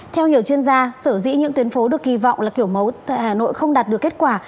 theo nhiều chuyên gia sở dĩ những tuyến phố được kỳ vọng là kiểu mẫu tại hà nội không đạt được kết quả